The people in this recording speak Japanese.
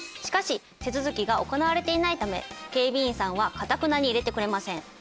しかし手続きが行われていないため警備員さんはかたくなに入れてくれません。